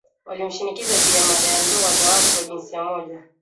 Walimshinikiza juu ya mada ya ndoa za watu wa jinsia moja